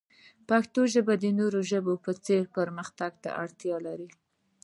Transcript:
پښتو ژبه د نورو ژبو په څیر پرمختګ ته اړتیا لري.